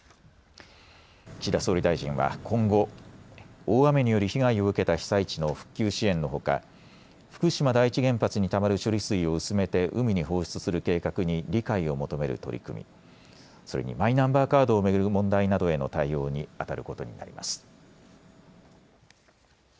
岸田総理大臣は今後、大雨による被害を受けた被災地の復旧支援のほか、福島第一原発にたまる処理水を薄めて海に放出する計画に理解を求める取り組み、それにマイナンバーカードを巡る問題などへの対応にあたることになります。